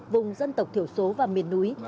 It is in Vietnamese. vùng dân tộc thiểu số và miền núi